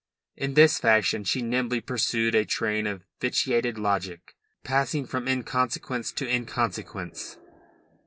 In this fashion she nimbly pursued a train of vitiated logic, passing from inconsequence to inconsequence.